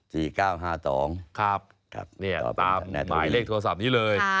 ตามหมายเลขโทรศัพท์นี้เลย